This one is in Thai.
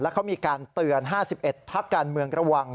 เขามีการเตือน๕๑พักการเมืองระวัง